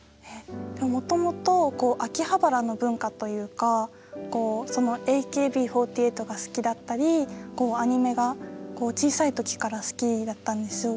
もともと秋葉原の文化というかＡＫＢ４８が好きだったりアニメが小さい時から好きだったんですよ。